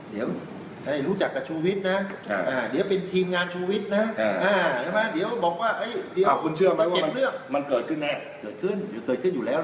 เดี๋ยวรู้จักกับชูวิตนะเดี๋ยวเป็นทีมงานชูวิตนะเดี๋ยวอ่ะคุณเชื่อไหมว่ามันเกิดขึ้นแน่